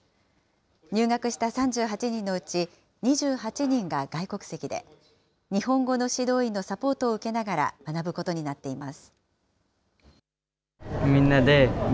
入学した３８人のうち、２８人が外国籍で、日本語の指導員のサポートを受けながら学ぶことになっています。